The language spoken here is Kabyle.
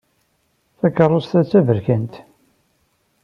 Takeṛṛust-a d taberkant.